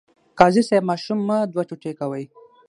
قاضي صیب ماشوم مه دوه ټوټې کوئ.